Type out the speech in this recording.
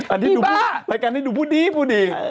อันที่ดูรายการให้ดูพูดดี